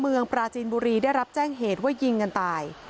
ปราจีนบุรีได้รับแจ้งเหตุว่ายิงกันตาย